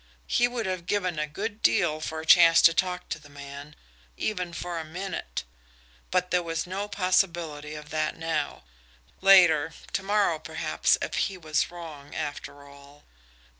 He would have given a good deal for a chance to talk to the man even for a minute. But there was no possibility of that now. Later, to morrow perhaps, if he was wrong, after all!